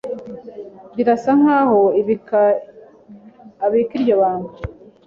Birasa nkaho abika iryo banga.